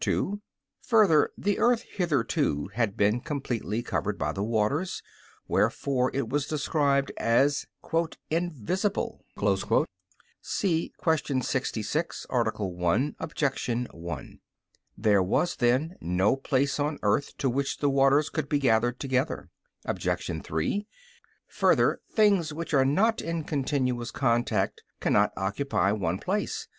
2: Further, the earth hitherto had been completely covered by the waters, wherefore it was described as "invisible" [* See Q. 66, A. 1, Obj. 1]. There was then no place on the earth to which the waters could be gathered together. Obj. 3: Further, things which are not in continuous contact cannot occupy one place.